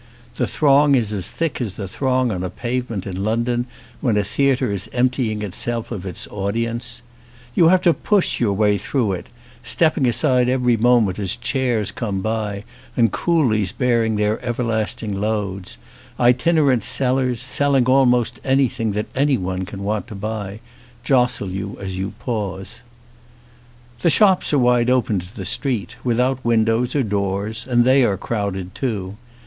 The throng is as thick as the throng on a pavement in London when a theatre is emptying itself of its audience. You have to push your way through it, stepping aside every moment as chairs come by and coolies bearing their everlasting loads: itinerant sellers, selling almost anything that any one can want to buy, jostle you as you pass. The shops are wide open to the street, without windows or doors, and they are crowded too.